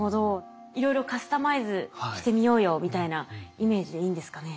いろいろカスタマイズしてみようよみたいなイメージでいいんですかね？